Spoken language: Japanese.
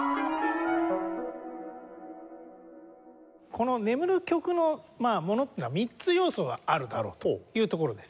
この眠る曲のものっていうのは３つ要素があるだろうというところです。